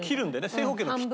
正方形に切って。